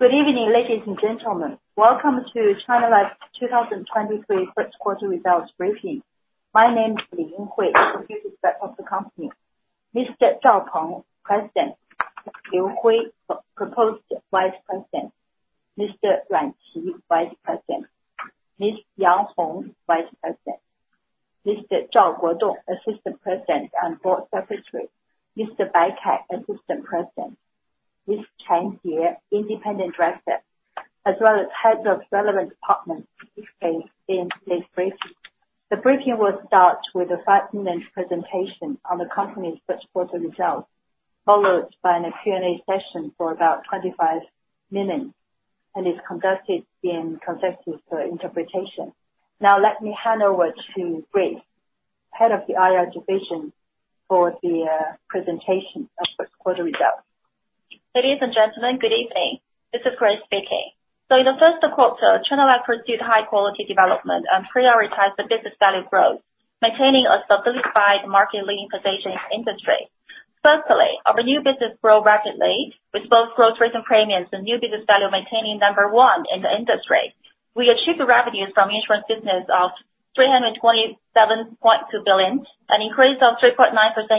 Good evening, ladies and gentlemen. Welcome to China Life 2023 first quarter results briefing. My name is Li Yinghui, Deputy Sec of the company. Mr. Zhao Peng, President. Liu Hui, Proposed Vice President. Mr. Ruan Qi, Vice President. Ms. Yang Hong, Vice President. Mr. Zhao Guodong, Assistant President and Board Secretary. Mr. Bai Kai, Assistant President. Ms. Chen Xie, Independent Director, as well as heads of relevant departments will take part in today's briefing. The briefing will start with a 5 minutes presentation on the company's first quarter results, followed by an Q&A session for about 25 minutes and is conducted in consecutive interpretation. Now let me hand over to Grace, Head of the IR Division for the presentation of first quarter results. Ladies and gentlemen, good evening. This is Grace speaking. In the first quarter, China Life pursued high quality development and prioritized the business value growth, maintaining a solidified market leading position in the industry. Firstly, our new business grow rapidly with both gross written premiums and new business value, maintaining number one in the industry. We achieved the revenues from insurance business of 327.2 billion, an increase of 3.9%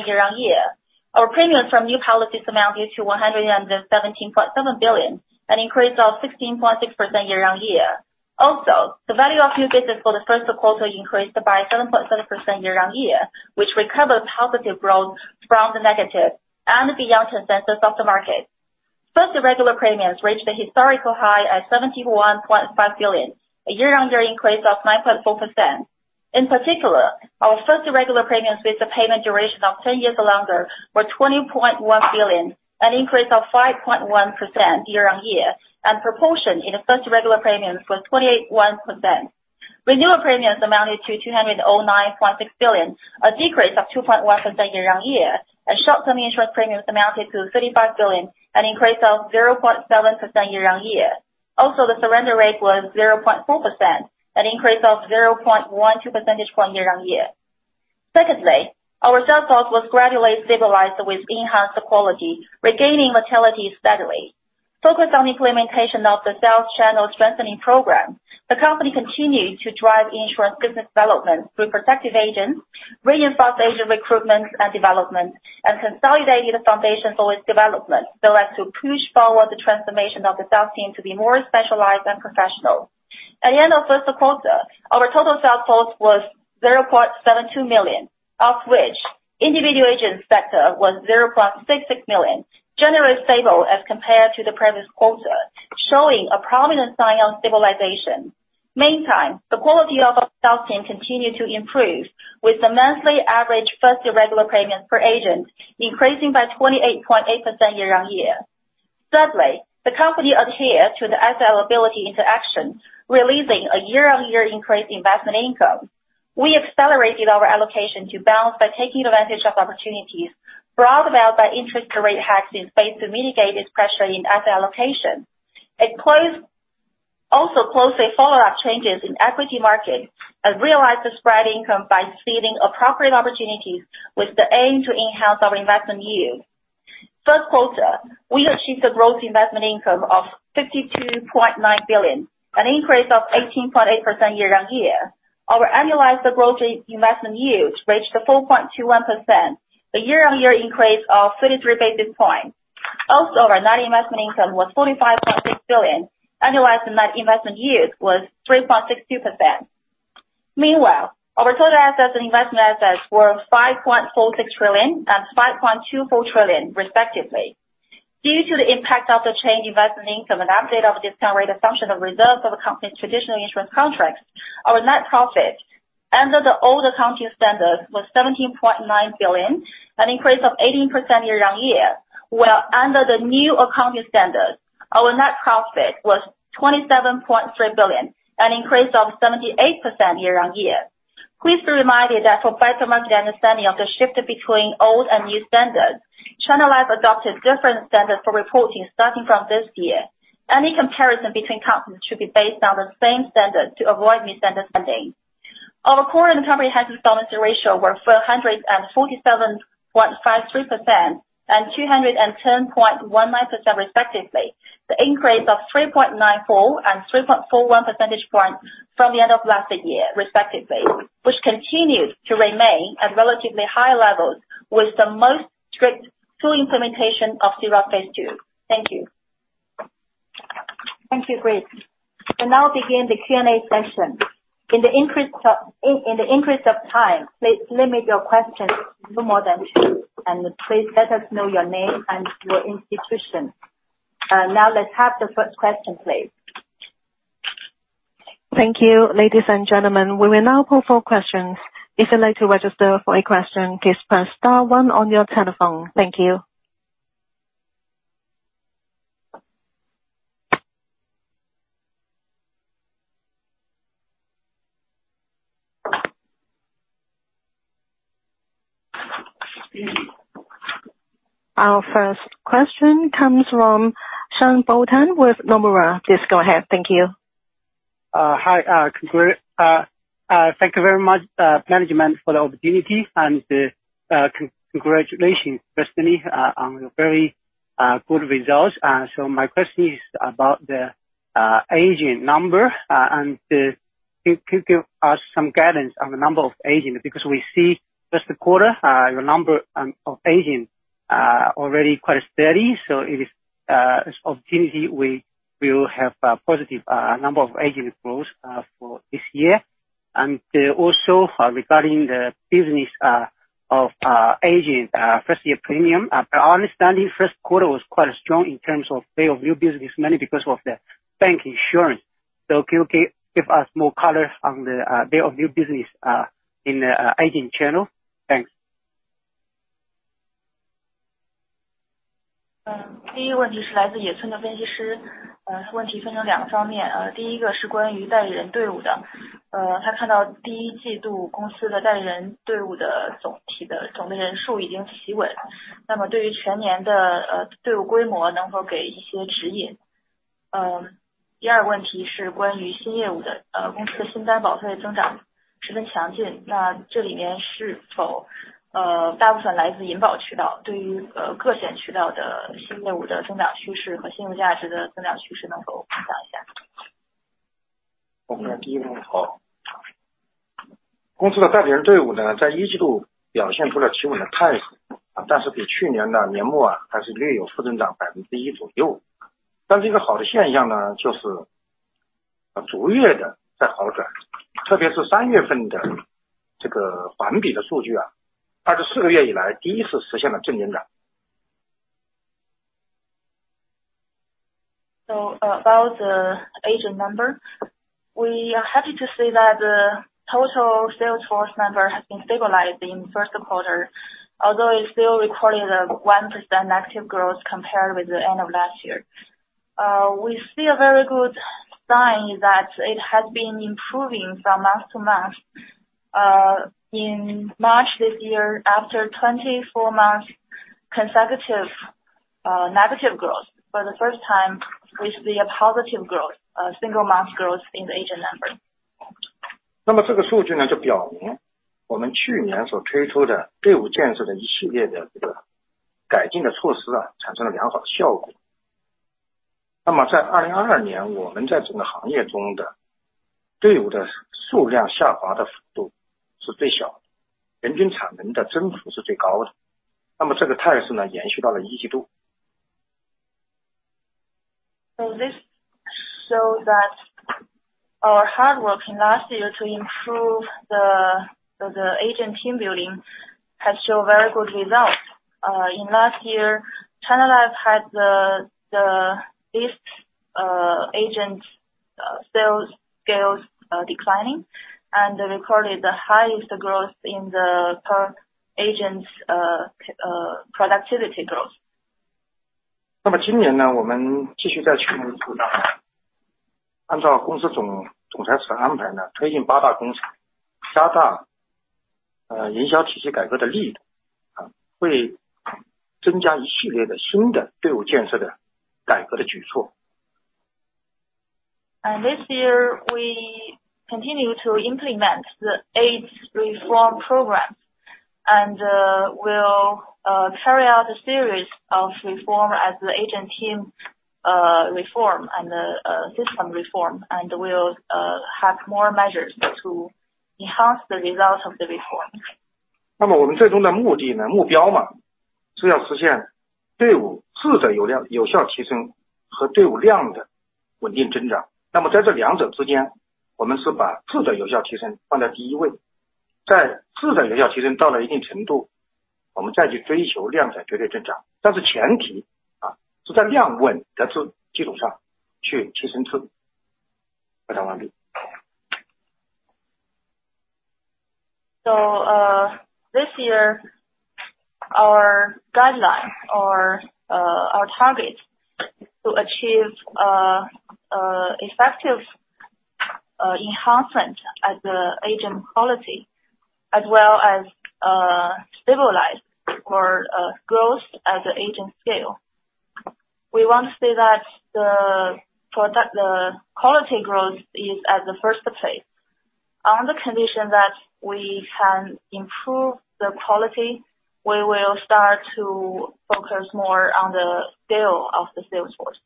year-on-year. Our premiums from new policies amounted to 117.7 billion, an increase of 16.6% year-on-year. The value of new business for the first quarter increased by 7.7% year-on-year, which recovered positive growth from the negative and beyond consensus of the market. First, the regular premiums reached a historical high at 71.5 billion, a year-on-year increase of 9.4%. In particular, our first regular premiums with the payment duration of 10 years or longer were 20.1 billion, an increase of 5.1% year-on-year, and proportion in the first regular premiums was 21%. Renewal premiums amounted to 209.6 billion, a decrease of 2.1% year-on-year. A short-term insurance premiums amounted to 35 billion, an increase of 0.7% year-on-year. The surrender rate was 0.4%, an increase of 0.12 percentage point year-on-year. Secondly, our sales force was gradually stabilized with enhanced quality, regaining motility steadily. Focused on implementation of the Sales Channel Strengthening Program, the company continued to drive insurance business development through protective agents, reinforced agent recruitment and development, and consolidated the foundation for its development so as to push forward the transformation of the sales team to be more specialized and professional. At the end of first quarter, our total sales force was 0.72 million, of which individual agent sector was 0.66 million, generally stable as compared to the previous quarter, showing a prominent sign of stabilization. Meantime, the quality of our sales team continued to improve with the monthly average first year regular premiums per agent increasing by 28.8% year-on-year. Thirdly, the company adhered to the asset liability interaction, releasing a year-on-year increase in investment income. We accelerated our allocation to balance by taking advantage of opportunities brought about by interest rate hikes in space to mitigate this pressure in asset allocation. Also closely follow-up changes in equity markets and realize the spread income by speeding appropriate opportunities with the aim to enhance our investment yield. First quarter, we achieved the gross investment income of 52.9 billion, an increase of 18.8% year-on-year. Our annualized gross investment yield reached 4.21%, a year-on-year increase of 33 basis points. Our net investment income was CNY 45.6 billion. Annualized net investment yield was 3.62%. Our total assets and investment assets were 5.46 trillion and 5.24 trillion respectively. Due to the impact of the change investment income and update of discount rate assumption of reserves of the company's traditional insurance contracts, our net profit under the Old Accounting Standards was 17.9 billion, an increase of 18% year-on-year, while under the New Accounting Standards, our net profit was 27.3 billion, an increase of 78% year-on-year. Please be reminded that for better market understanding of the shift between old and new standards, China Life adopted different standards for reporting starting from this year. Any comparison between companies should be based on the same standards to avoid misunderstanding. Our core and comprehensive solvency ratio were 447.53% and 210.19% respectively. The increase of 3.94 and 3.41 percentage points from the end of last year, respectively, which continues to remain at relatively high levels with the most strict full implementation of C-ROSS Phase II. Thank you. Thank you, Grace. We now begin the Q&A session. In the interest of time, please limit your questions to no more than 2, and please let us know your name and your institution. Now let's have the first question, please. Thank you. Ladies and gentlemen, we will now call for questions. If you'd like to register for a question, please press star one on your telephone. Thank you. Our first question comes from Sean Bolton with Nomura. Please go ahead. Thank you. Hi, thank you very much, management for the opportunity and congratulations, Destiny, on your very good results. My question is about the agent number, and can you give us some guidance on the number of agents? We see just the quarter, your number of agents are already quite steady. It is, as opportunity we will have a positive number of agent growth for this year. Also, regarding the business of our agent, First Year Premium. After our understanding, first quarter was quite strong in terms of day of new business, mainly because of the bank insurance. Can you give us more color on the day of new business, in agent channel? Thanks. 嗯。第一个问题是来自野村的分析 师， 呃， 他问题分成两个方 面， 呃， 第一个是关于代理人队伍的。呃， 他看到第一季度公司的代理人队伍的总体的总的人数已经企 稳， 那么对于全年 的， 呃， 队伍规模能否给一些指 引？ 呃， 第二个问题是关于新业务的。呃， 公司的新单保费增长十分强 劲， 那这里面是 否， 呃， 大部分来自银保渠 道， 对 于， 呃， 各险渠道的新业务的增长趋势和新增价值的增长趋势能够评价一下。我们来第一个。公司的代理人队伍 呢， 在一季度表现出了企稳的态 势， 但是比去年的年末 啊， 还是略有负增长百分之一左右。但这是一个好的现象 呢， 就是逐月在好 转， 特别是三月份的这个环比的数据啊，二十四个月以来第一次实现了正增长。About the agent number. We are happy to see that the total sales force number has been stabilizing in first quarter although it's still recording 1% negative growth compared with the end of last year. We see a very good sign that it has been improving from month to month. In March this year, after 24 months consecutive negative growth, for the first time we see a positive growth, a single month growth in the agent number. 那么这个数据 呢， 就表明我们去年所推出的队伍建设的一系列的这个改进的措施 呢， 产生了良好的效果。那么在二零二二 年， 我们在整个行业中的队伍的数量下滑的幅度是最小 的， 人均产能的增幅是最高的。那么这个态势 呢， 延续到了一季度。This shows that our hard work in last year to improve the agent team building has shown very good results. In last year China Life had the least agent sales scales declining and recorded the highest growth in the per agent productivity growth. 今 年， 我们继续在全公司按照公司总裁室的安 排， 推进 八大工程， 加大营销体系改革的力 度， 会增加一系列的新的队伍建设的改革的举措。This year we continue to implement the Eight Reform Programs. We'll carry out a series of reform as the agent team reform and the system reform. We'll have more measures to enhance the results of the reform. 那么我们最终的目的 呢， 目标 嘛， 是要实现队伍质的有 效， 有效提升和队伍量的稳定增长。那么在这两者之 间， 我们是把质的有效提升放在第一 位， 在质的有效提升到了一定程 度， 我们再去追求量的绝对增长。但是前 提， 啊， 是在量稳的基-基础上去提升质量。回答完毕。This year our guidelines are our targets to achieve effective enhancement at the agent quality as well as stabilize or growth at the agent scale. We want to say that the quality growth is at the first place. On the condition that we can improve the quality, we will start to focus more on the scale of the sales force.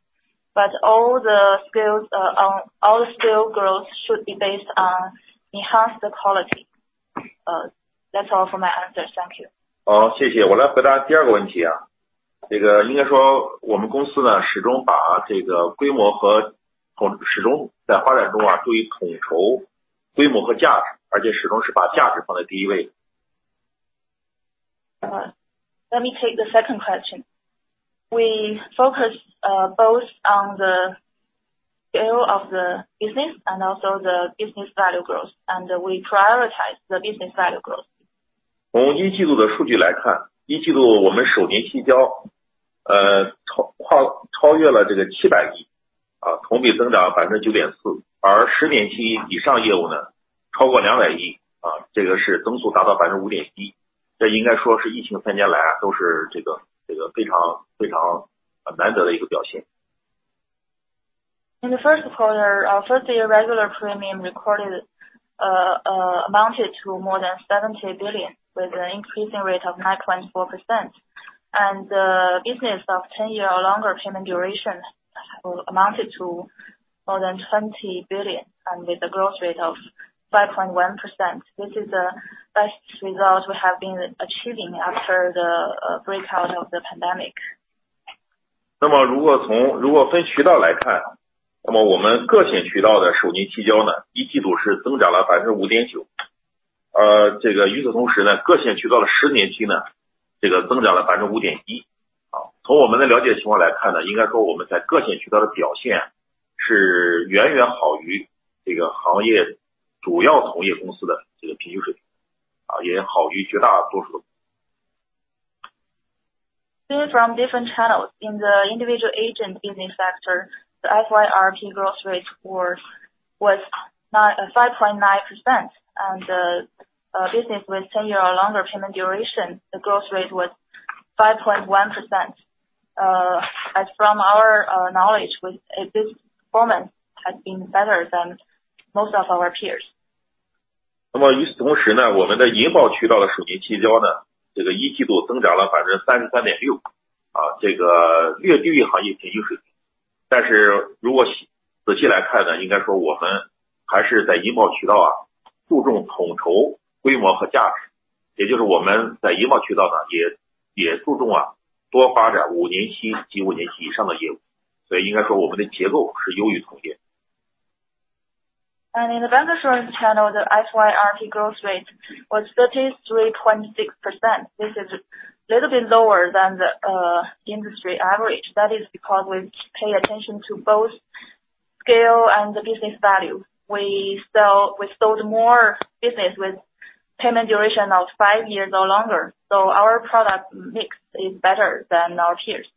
All the scales on all scale growth should be based on enhance the quality. That's all for my answer. Thank you. 好， 谢谢。我来回答第二个问题啊。这个应该说我们公司 呢， 始终把这个规模和--始终在发展中 啊， 注意统筹规模和价 值， 而且始终是把价值放在第一位。Let me take the second question. We focus both on the scale of the business and also the business value growth, and we prioritize the business value growth. 从一季度的数据来 看， 一季度我们首年新 交， 呃， 超-超-超越了这个七百 亿， 啊， 同比增长百分之九点 四， 而十年期以上业务呢超过 CNY 20 billion，这 个是增速达到 5.1%，这 应该说是疫情3 years 来都是这个非常难得的一个表现。In the first quarter, our first year regular premium recorded amounted to more than 70 billion with an increasing rate of 9.4%. The business of 10-year or longer payment duration amounted to more than 20 billion with a growth rate of 5.1%. This is the best result we have been achieving after the breakout of the pandemic. 如果分渠道来 看， 那么我们个险渠道的首年期交 呢， Q1 是增长了 5.9%， 而与此同时 呢， 个险渠道的十年期 呢， 增长了 5.1%。好， 从我们的了解情况来看 呢， 应该说我们在个险渠道的表现是远远好于行业主要同业公司的平均水 平， 也好于绝大多数。See from different channels. In the individual agent business sector, the FY RP growth rate was 5.9%. The business with 10-year or longer payment duration, the growth rate was 5.1%. As from our knowledge with this performance has been better than most of our peers. 与此同时 呢, 我们的银保渠道的首年期交 呢, 这个一季度增长了 33.6%, 这个远远低于行业平均水 平. 如果仔细来看 呢, 应该说我们还是在银保渠 道, 注重统筹规模和价 值, 也就是我们在银保渠道呢也 注重, 多发展5年期及5年期以上的业 务. 应该说我们的结构是优于同 业. In the bancassurance channel, the FY RP growth rate was 33.6%. This is a little bit lower than the industry average. That is because we pay attention to both scale and the business value. We sold more business with payment duration of five years or longer. Our product mix is better than our peers.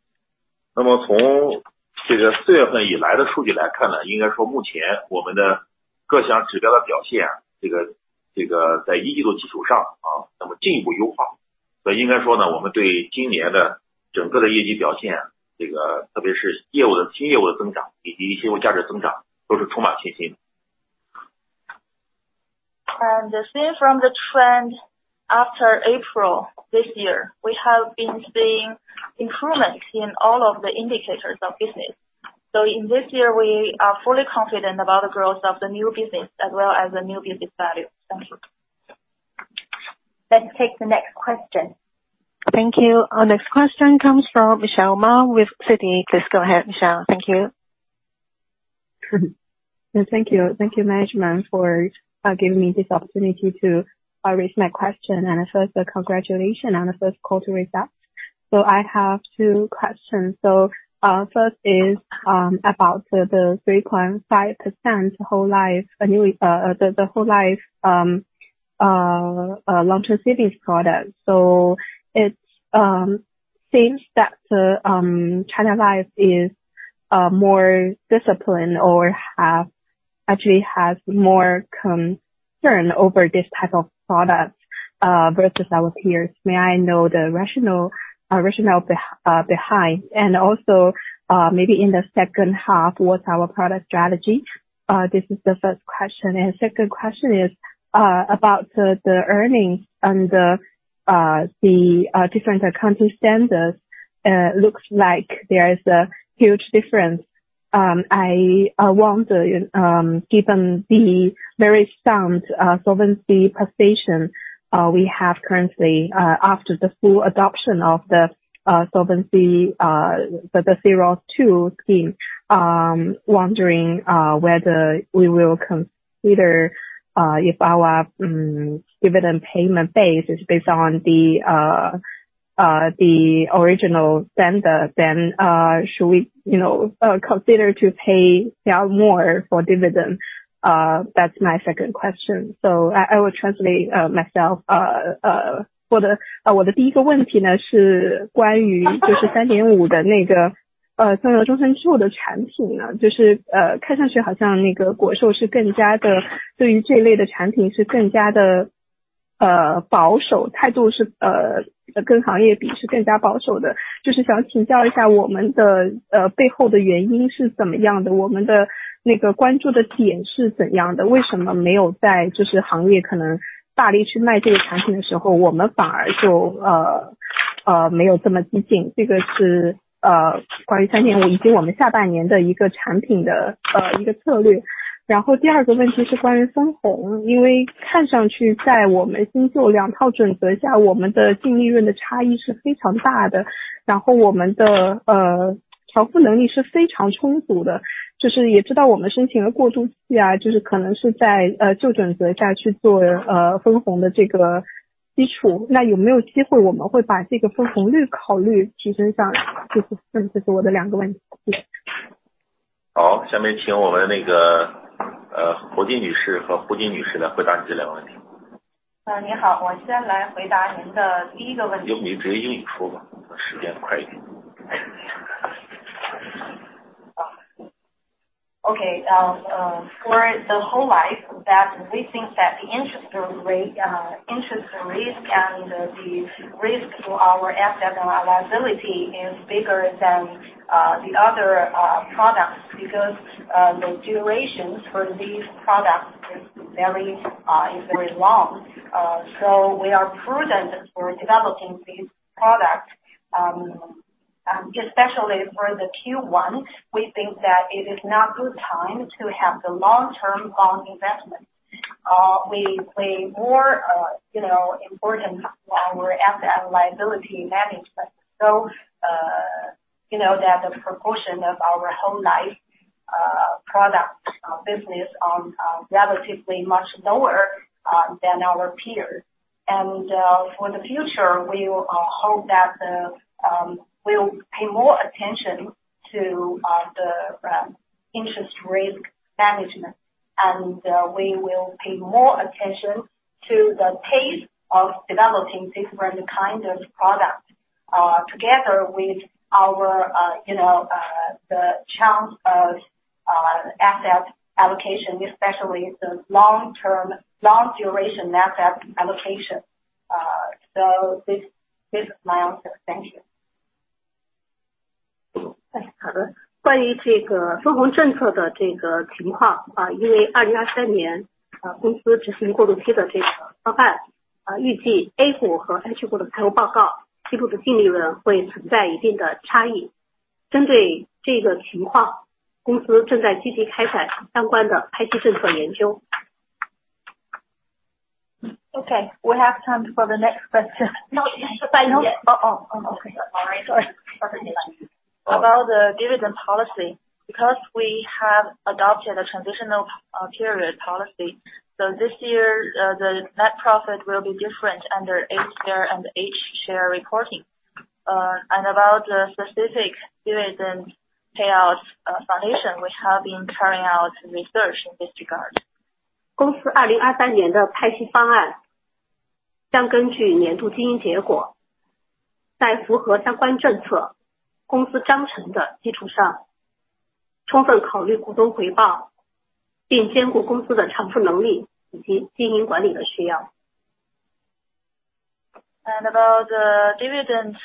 那么从这个四月份以来的数据来看 呢， 应该说目前我们的各项指标的表 现， 这 个， 这个在一季度基础上 啊， 那么进一步优化。所以应该说 呢， 我们对今年的整个的业绩表 现， 这个特别是业务的新业务的增长以及业务价值增长都是充满信心。See from the trend after April this year, we have been seeing improvements in all of the indicators of business. In this year, we are fully confident about the growth of the new business as well as the new business value. Thank you. Let's take the next question. Thank you. Our next question comes from Michelle Mao with Citi. Please go ahead, Michelle. Thank you. Thank you. Thank you management for giving me this opportunity to raise my question. First a congratulation on the first quarter result. I have two questions. First is about the 3.5% whole life annuity, the whole life long-term savings product. It seems that China Life is more disciplined or actually has more concern over this type of product versus our peers. May I know the rationale behind? Maybe in the second half, what's our product strategy? This is the first question. Second question is about the earnings and the different Accounting Standards, looks like there is a huge difference. I wonder, given the very sound solvency position we have currently, after the full adoption of the solvency, the C-ROSS II scheme, wondering whether we will consider, if our dividend payment base is based on the original Standard, then should we, you know, consider to pay out more for dividend? Uh, that's my second question。So I, I will translate, uh, myself。呃， 我 的， 呃， 我的第一个问题 呢， 是关于就是三点五的那 个， 呃， 三个终身收入的产品 呢， 就 是， 呃， 看上去好像那个国寿是更加的对于这类的产品是更加的， 呃， 保 守， 态度 是， 呃， 跟行业比是更加保守的。就是想请教一下我们 的， 呃， 背后的原因是怎么样 得， 我们的那个关注的点是怎样 的， 为什么没有在就是行业可能大力去卖这个产品的时 候， 我们反而 就， 呃， 呃， 没有这么激进。这个 是， 呃， 关于三点五以及我们下半年的一个产品 的， 呃， 一个策略。然后第二个问题是关于分 红， 因为看上去在我们新做两套准则 下， 我们的净利润的差异是非常大 的， 然后我们 的， 呃， 调配能力是非常充足 的， 就是也知道我们申请了过渡期 啊， 就是可能是 在， 呃， 旧准则下去 做， 呃， 分红的这个基 础， 那有没有机会我们会把这个分红率考虑提升 上？ 这就是我的两个问题。好， 下面请我们那 个， 呃， 侯金女士和胡金女士来回答你这两个问题。您 好， 我先来回答您的第一个问题。用你直接英语说 吧， 时间快一点。Okay. For the whole life that we think that the interest rate, interest risk and the risk to our asset and liability is bigger than the other products because the durations for these products is very, is very long. We are prudent for developing these products, especially for the Q1. We think that it is not good time to have the long-term bond investment. We play more, you know, important our asset-liability management. You know that the proportion of our whole life product business are relatively much lower than our peers. For the future, we will hope that we will pay more attention to the interest risk management. We will pay more attention to the pace of developing different kind of products, together with our, you know, the chance of asset allocation, especially the long-term, long duration asset allocation. This is my extension. 关于这个分红政策的这个情 况， 因为二零二三年公司执行过渡期的这个方 案， 预计 A 股和 H 股的财务报告记录的净利润会存在一定的差异。针对这个情 况， 公司正在积极开展相关的派息政策研究。Okay. We have time for the next question. No. Not yet. Okay. Sorry. About the dividend policy, because we have adopted a transitional period policy. This year, the net profit will be different under A share and H share reporting. About the specific dividend payout foundation, we have been carrying out research in this regard. 公司 2023年的派息方案将根据年度经营结 果, 在符合相关政策公司章程的基础 上, 充分考虑股东回 报, 并兼顾公司的偿付能力以及经营管理的需 要. About the dividend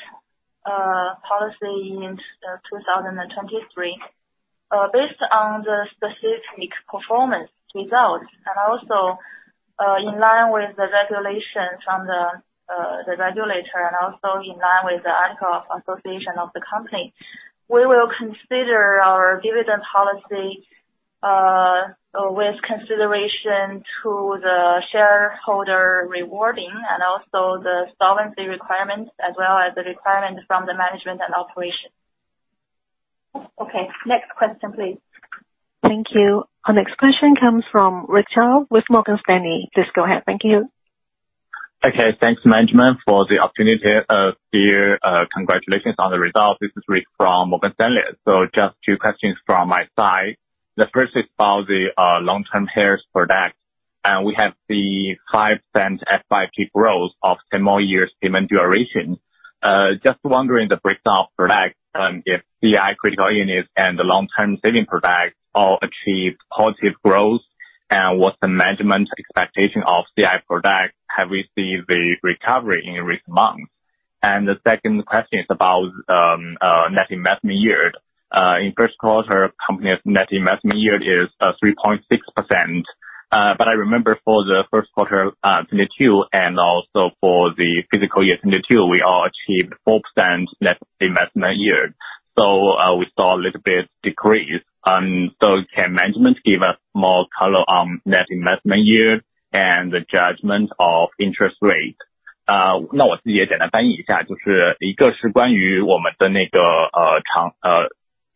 policy in 2023. Based on the specific performance results and also in line with the regulations from the regulator and also in line with the Articles of Association of the company, we will consider our dividend policy with consideration to the shareholder rewarding and also the solvency requirements as well as the requirements from the management and operation. Okay. Next question, please. Thank you. Our next question comes from Rick Xu with Morgan Stanley. Please go ahead. Thank you. Okay. Thanks management for the opportunity. Here, congratulations on the results. This is Rick from Morgan Stanley. Just 2 questions from my side. The first is about the long-term whole life product. We have the 5% FYP growth of 10 more years payment duration. Just wondering the breakdown of product and if CI critical illness and the long-term saving product all achieved positive growth. What's the management expectation of CI product have received the recovery in recent months? The second question is about net investment yield. In first quarter, company's net investment yield is 3.6%. I remember for the first quarter 2022 and also for the fiscal year 2022, we all achieved 4% net investment yield. We saw a little bit decrease. Can management give us more color on net investment yield and the judgment of interest rate?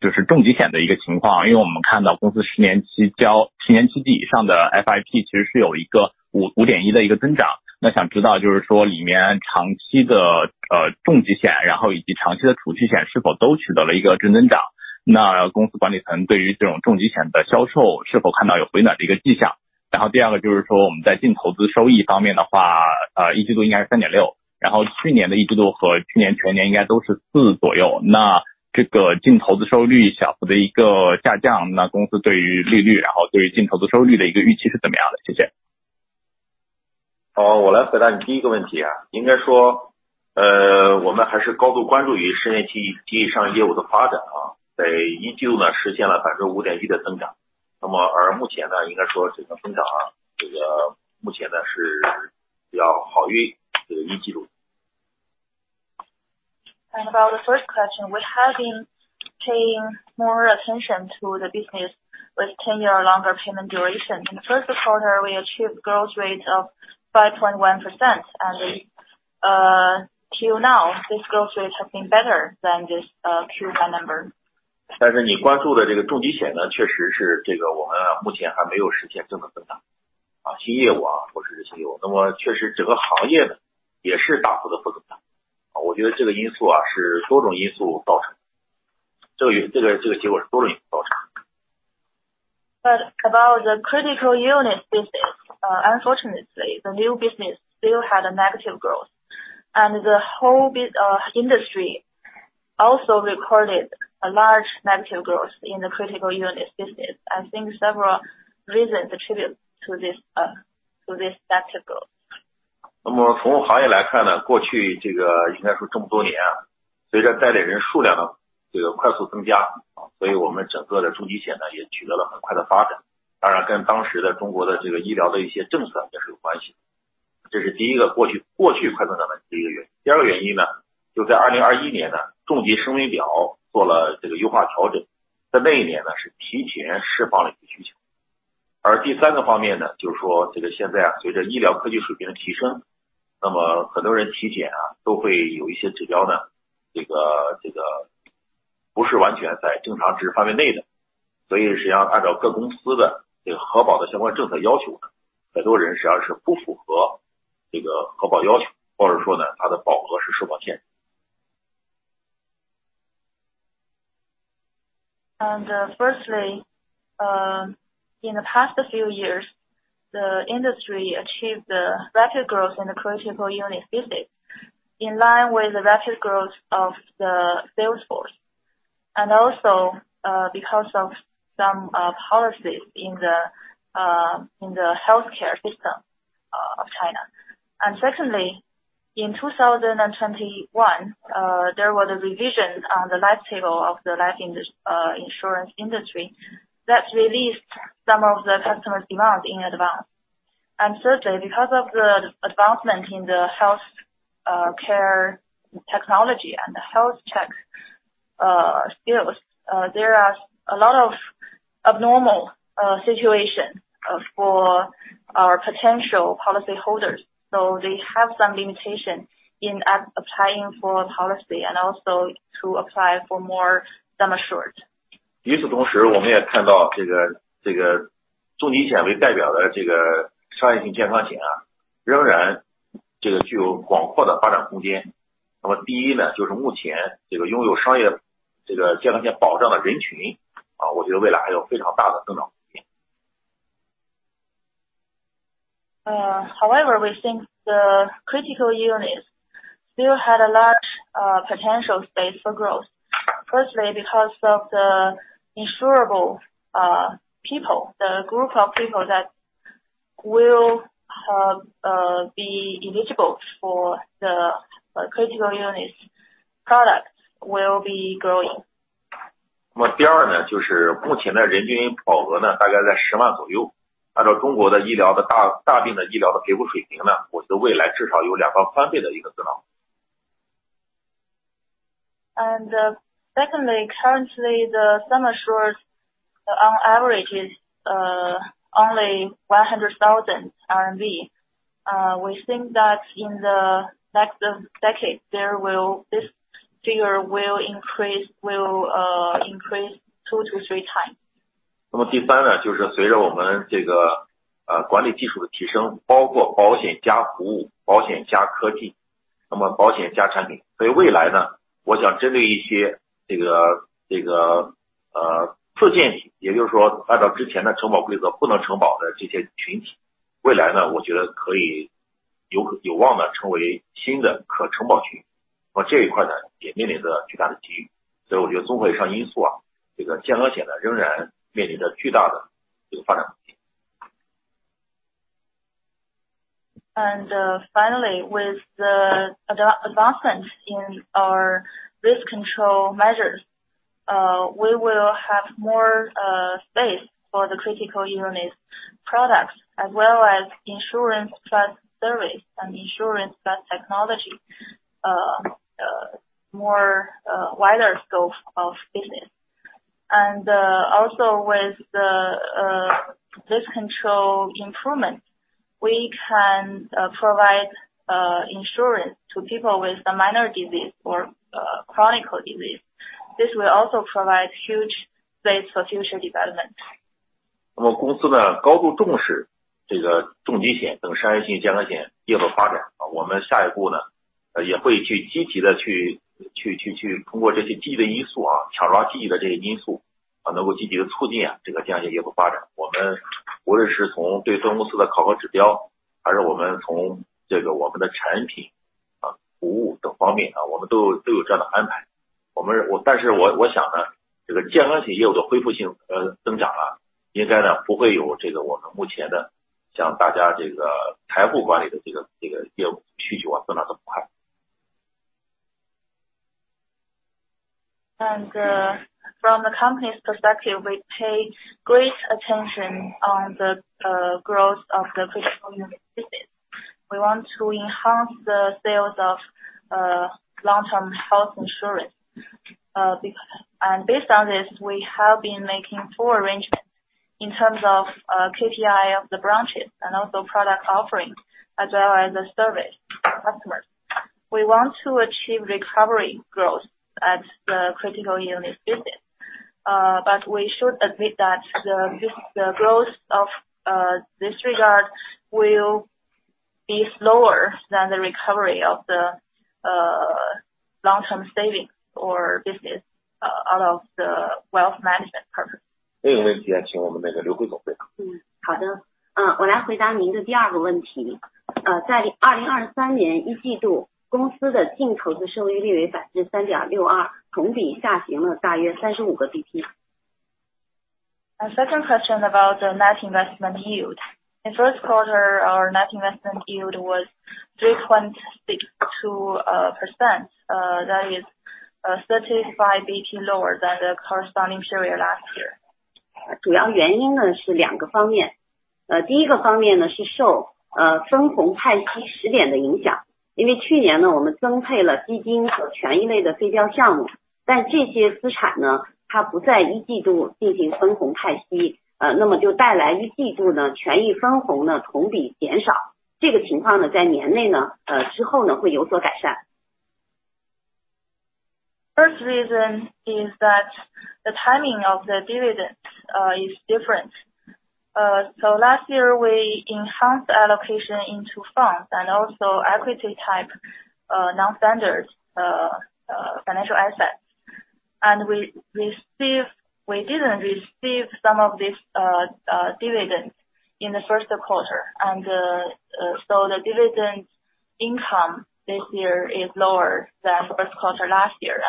我自己也简单翻译一 下， 就是一个是关于我们的那 个， 就是重疾险的一个情 况， 因为我们看到公司十年期 交， 十年期及以上的 FYP， 其实是有一个 5.1 的一个增长。想知道就是说里面长期 的， 重疾 险， 然后以及长期的储蓄险是否都取得了一个正增 长？ 公司管理层对于这种重疾险的销售是否看到有回暖的一个迹 象？ 第二个就是说我们在净投资收益方面的 话， Q1 应该是 3.6%， last year's Q1 和 last year's full year 应该都是 4% 左 右， 这个净投资收益率小幅的一个下 降， 公司对于利 率， 然后对于净投资收益率的一个预期是怎么样 呢？ 谢谢。好， 我来回答你第一个问题啊。应该 说， 呃， 我们还是高度关注于十年期及以上业务的发展 啊， 在一季度呢实现了百分之五点一的增长。那么而目前 呢， 应该说这个增 长， 这个目前 呢， 是比较好于这个一季度。About the first question, we have been paying more attention to the business with 10-year longer payment duration. In the first quarter we achieved growth rate of 5.1%. Till now this growth rate has been better than this Q1 number. 但是你关注的这个重疾险 呢， 确实是这个我们目前还没有实现正的增长。新业务 啊， 或是新业 务， 那么确实整个行业也是大幅度负增长。我觉得这个因素 啊， 是多种因素造成。这 个， 这 个， 这个结果是多种因素造成。About the critical illness business, unfortunately, the new business still had a negative growth and the whole industry also recorded a large negative growth in the critical illness business. I think several reasons attribute to this, to this set of goals. 从行业来看 呢， 过去应该说这么多 年， 随着待诊人数量的快速增 加， 我们整个的 critical illness 呢， 也取得了很快的发展。当然跟当时的中国的医疗的一些政策应该是有关系的。这是 first， 过去快速发展的 first 原因。second 原因 呢， 2021年 呢， critical illness life table 做了优化调 整， 在那一年 呢， 提前释放了一个需求。third 方面 呢， 就是说现在随着医疗科技水平的提升，很多人体检都会有一些指标 呢， 这个不是完全在正常值范围内的。实际上按照各公司的合保的相关政策要求 呢， 很多人实际上不符合合保要 求， 或者说 呢， 他的保额受保限制。Firstly, in the past few years, the industry achieved rapid growth in the critical illness business, in line with the rapid growth of the sales force and also, because of some policies in the healthcare system of China. Secondly, in 2021, there was a revision on the life table of the life insurance industry that released some of the customer's demand in advance. Thirdly, because of the advancement in the health care technology and the health check skills, there are a lot of abnormal situations for our potential policyholders. They have some limitation in applying for a policy and also to apply for more term assured. 与此同 时， 我们也看到这 个， 这个重疾险为代表的这个商业性健康险 啊， 仍然这个具有广阔的发展空间。那么第一 呢， 就是目前这个拥有商业这个健康险保障的人 群， 啊我觉得未来还有非常大的增长空间。We think the critical illness still had a large potential space for growth. Because of the insurable people, the group of people that will be eligible for the critical illness products will be growing. 那么第二 呢， 就是目前的人均保额 呢， 大概在十万左右。按照中国的医疗的 大， 大病的医疗的给付水平 呢， 我觉得未来至少有两到三倍的一个增长。secondly, currently the sum assured on average is only 100,000 RMB. We think that in the next decade this figure will increase, will increase 2 to 3 times. 第三 呢， 就是随着我们这个管理技术的提 升， 包括 insurance+ service， insurance+ technology， 那么保险加产品。未来 呢， 我想针对一些这个次健 体， 也就是说按照之前的承保规则不能承保的这些群 体， 未来 呢， 我觉得可以有望呢成为新的可承保群。这一块 呢， 也面临着巨大的机遇。我觉得综合以上因素 啊， 这个健康险 呢， 仍然面临着巨大的这个发展空间。Finally, with the adoption in our risk control measures, we will have more space for the critical illness products as well as insurance trust service and insurance trust technology, more wider scope of business. Also with this control improvement, we can provide insurance to people with some minor disease or chronic disease. This will also provide huge space for future development. 公司 呢， 高度重视这个重疾险等商业性健康险业务发展。我们下一步 呢， 也会去积极地 去， 通过这些积极的因 素， 抢抓积极的这些因 素， 能够积极地促进这个健康险业务发展。我们无论是从对分公司的考核指 标， 还是我们从这个我们的产 品， 服务等方 面， 我们都有这样的安排。我们 是， 我想 呢， 这个健康险业务的恢复性增 长， 应该 呢， 不会有这个我们目前的像大家这个财务管理的这 个， 这个业务需 求， 增长这么快。From the company's perspective, we pay great attention on the growth of the critical illness business. We want to enhance the sales of long-term health insurance. Based on this, we have been making four arrangements in terms of KPI of the branches and also product offerings as well as the service to customers. We want to achieve recovery growth at the critical illness business. We should admit that the growth of this regard will be slower than the recovery of the long-term savings or business out of the wealth management purpose. 好的。我来回答您的第二个问题。在 2023 年一季度，公司的净投资收益率为 3.62%，同比下行了大约 35 BP。Second question about the net investment yield. In first quarter, our net investment yield was 3.62%, that is, 35 BP lower than the corresponding period last year. 主要原因呢是2个方面。第1个方面呢是受分红派息时点的影响。因为去年呢我们增配了基金和权益类的非标项目，这些资产呢它不在Q1进行分红派息，那么就带来Q1呢权益分红呢同比减少。这个情况呢在年内呢之后呢会有所改善。First reason is that the timing of the dividends is different. Last year we enhanced allocation into funds and also equity type non-standard financial assets. We didn't receive some of this dividends in the first quarter. The dividend income this year is lower than first quarter last year,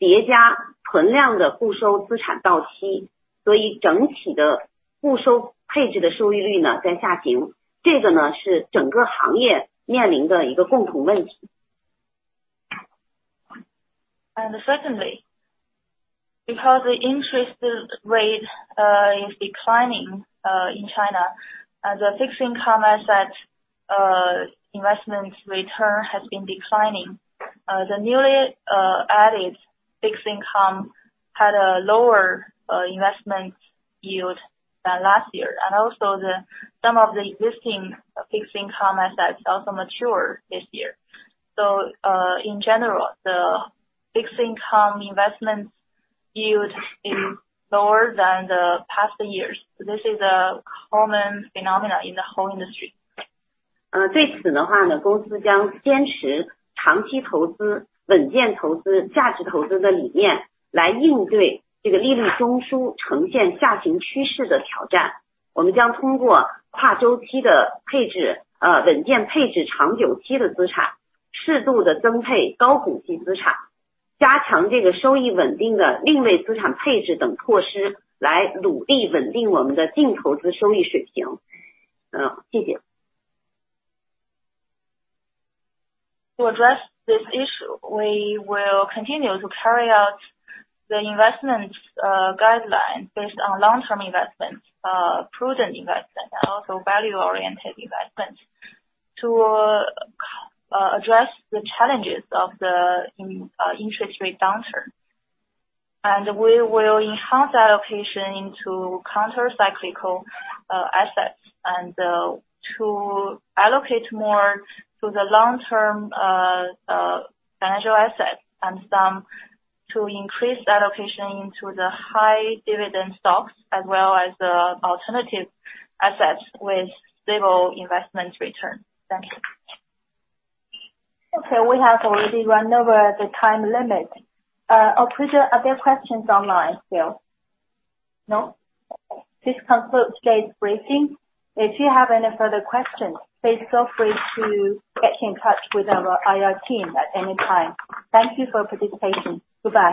and this situation will improve as time goes in later this year. Secondly, because the interest rate is declining in China, and the fixed income asset investment return has been declining. The newly added fixed income had a lower investment yield than last year. Also some of the existing fixed income assets also mature this year. In general, the fixed income investments yield is lower than the past years. This is a common phenomena in the whole industry. 对此的话 呢， 公司将坚持长期投资、稳健投资、价值投资的理念来应对这个利率中枢呈现下行趋势的挑战。我们将通过跨周期的配 置， 稳健配置长久期的资 产， 适度地增配高股息资 产， 加强这个收益稳定的另类资产配置等措 施， 来努力稳定我们的净投资收益水平。谢谢。To address this issue, we will continue to carry out the investment guidelines based on long-term investment, prudent investment, and also value-oriented investment to address the challenges of the interest rate downturn. We will enhance our allocation into countercyclical assets and to allocate more to the long-term financial assets and some to increase the allocation into the high dividend stocks, as well as the alternative assets with stable investment return. Thank you. Okay. We have already run over the time limit. Operator, are there questions online still? No. This concludes today's briefing. If you have any further questions, please feel free to get in touch with our IR team at any time. Thank you for participation. Goodbye.